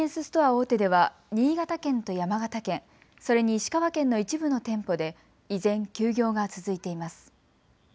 大手では新潟県と山形県、それに石川県の一部の店舗で依然、休業が続いています。